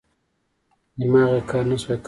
دماغي کار نه شوای کولای.